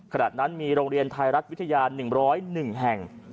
ขณะนั้นมีโรงเรียนไทยรัฐวิทยา๑๐๑แห่ง